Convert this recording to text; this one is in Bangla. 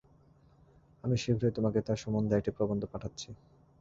আমি শীঘ্রই তোমাকে তাঁর সম্বন্ধে একটি প্রবন্ধ পাঠাচ্ছি।